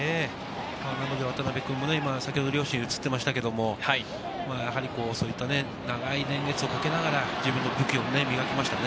なので、渡辺君も先ほど両親、映っていましたけれども、長い年月をかけながら自分の武器を磨きましたね。